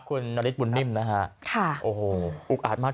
ตอนนี้ยังไม่ได้นะครับ